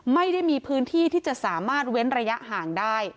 ไม่ได้มีพื้นที่ที่จะสามารถเว้นระยะห่างได้